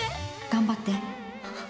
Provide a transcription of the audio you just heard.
頑張って。